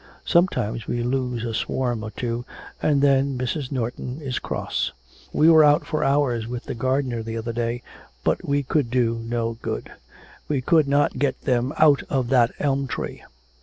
Sometimes we lose a swarm or two, and then Mrs. Norton is cross. We were out for hours with the gardener the other day, but we could do no good; we could not get them out of that elm tree.